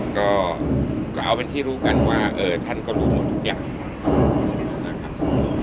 ก็เอาเป็นที่รู้กันว่าเออท่านก็รู้หมดอย่าง